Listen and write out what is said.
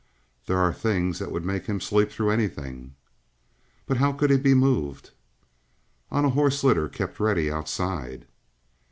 "There are things that would make him sleep through anything." "But how could he be moved?" "On a horse litter kept ready outside."